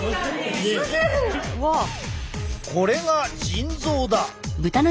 これが腎臓だ。